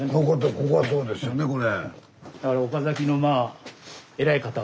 ここはそうですよねこれ。